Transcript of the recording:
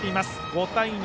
５対２。